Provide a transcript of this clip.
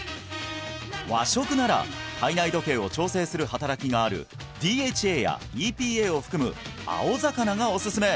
和食なら体内時計を調整する働きがあるＤＨＡやＥＰＡを含む青魚がおすすめ